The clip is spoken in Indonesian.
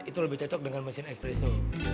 itu lebih cocok dengan mesin ekspresso